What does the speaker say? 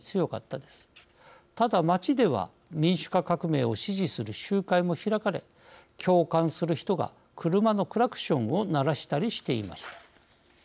ただ、街では民主化革命を支持する集会も開かれ共感する人が車のクラクションを鳴らしたりしていました。